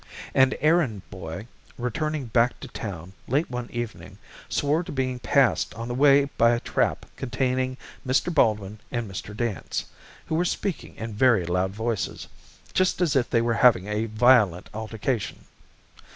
An errand boy, returning back to town, late one evening, swore to being passed on the way by a trap containing Mr. Baldwin and Mr. Dance, who were speaking in very loud voices just as if they were having a violent altercation.